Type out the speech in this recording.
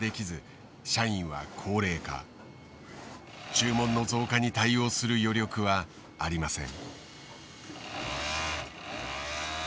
注文の増加に対応する余力はありません。